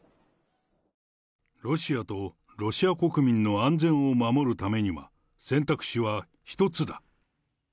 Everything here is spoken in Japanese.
ロシアとロシア国民の安全を守るためには、選択肢は一つだ。